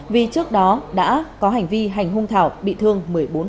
vì trước đó đã có hành vi hành hung thảo bị thương một mươi bốn